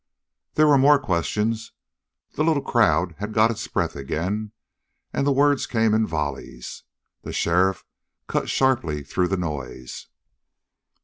There were more questions. The little crowd had got its breath again, and the words came in volleys. The sheriff cut sharply through the noise.